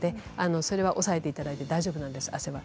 それはおさえていただいて大丈夫です、汗は。